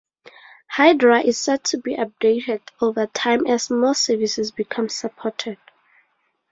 Hydra is set to be updated over time as more services become supported.